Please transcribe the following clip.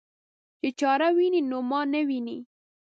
چې چاړه ويني نو ما نه ويني.